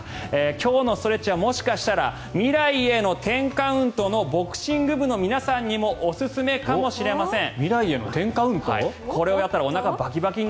今日のストレッチはもしかしたら「未来への１０カウント」のボクシング部の皆さんにもおすすめかもしれません。